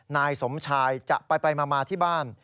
นายสมชายจะไปมาที่บ้าน